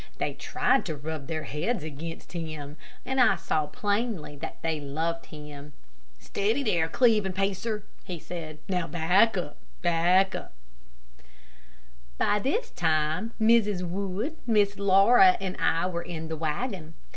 They tried to rub their heads against him, and I saw plainly that they loved him. "Steady there, Cleve and Pacer," he said; "now back, back up." By this time, Mrs. Wood, Miss Laura and I were in the wagon.